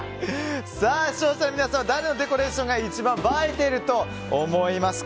視聴者の皆さんは誰のデコレーションが一番映えていると思いますか？